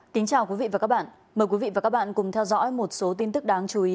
kính chào quý vị và các bạn mời quý vị và các bạn cùng theo dõi một số tin tức đáng chú ý